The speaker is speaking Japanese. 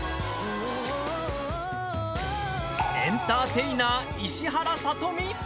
エンターテイナー石原さとみ。